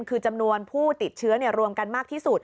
คือจำนวนผู้ติดเชื้อรวมกันมากที่สุด